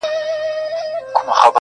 سترګي سرې غټه سینه ببر برېتونه.!